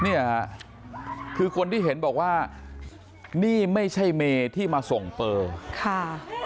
เนี่ยคือคนที่เห็นบอกว่านี่ไม่ใช่เมที่มาส่งเปอร์ค่ะ